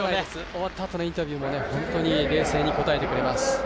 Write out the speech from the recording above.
終わったあとのインタビューも冷静に答えてくれます。